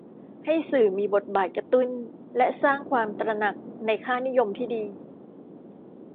ให้สื่อมีบทบาทกระตุ้นและสร้างความตระหนักในค่านิยมที่ดี